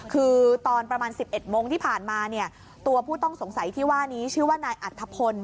คือตอนประมาณ๑๑โมงที่ผ่านมาเนี่ยตัวผู้ต้องสงสัยที่ว่านี้ชื่อว่านายอัธพล